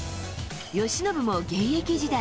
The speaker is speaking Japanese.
由伸も現役時代。